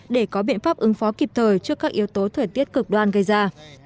để có biện pháp ứng phó kịp thời trước các yếu tố thời tiết cực đoan gây ra